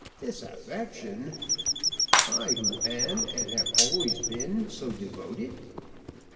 "Disaffection! I who am and have always been so devoted."